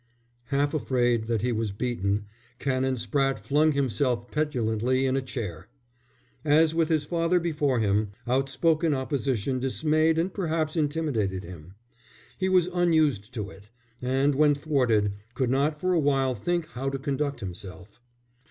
Half afraid that he was beaten, Canon Spratte flung himself petulantly in a chair. As with his father before him, outspoken opposition dismayed and perhaps intimidated him; he was unused to it, and when thwarted, could not for a while think how to conduct himself.